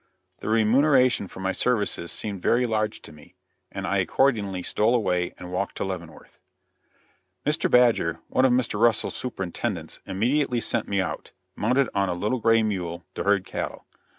The remuneration for my services seemed very large to me, and I accordingly stole away and walked to Leavenworth. Mr. Badger, one of Mr. Russell's superintendents, immediately sent me out, mounted on a little gray mule, to herd cattle.